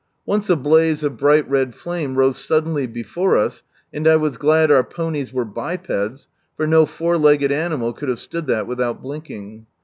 Once a blaze of bright red flame rose suddenly before us, and I was glad our ponies e bipeds, for no four legged animal could have stood that without blinking.